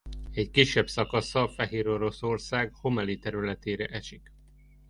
Egy kisebb szakasza Fehéroroszország Homeli területére esik.